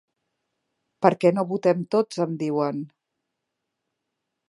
Per què no votem tots, em diuen?